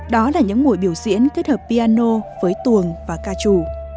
đó là những buổi biểu diễn kết hợp piano với tuồng và ca trù